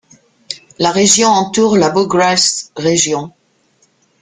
La région entoure la Bluegrass region.